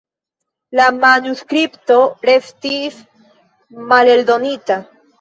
La manuskripto restis maleldonita.